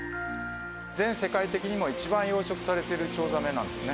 全世界的にも一番養殖されているチョウザメなんですね。